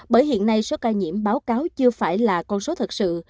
bởi hiện nay số ca nhiễm báo cáo chưa phải là con số thật sự